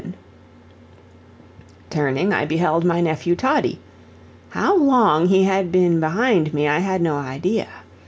Turning, I beheld my nephew Toddie how long he had been behind me I had no idea.